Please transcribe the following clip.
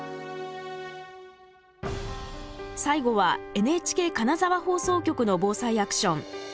最後はＮＨＫ金沢放送局の「ＢＯＳＡＩアクション」。